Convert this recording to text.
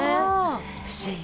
不思議。